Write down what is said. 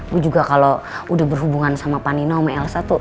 gue juga kalo udah berhubungan sama panino sama elsa tuh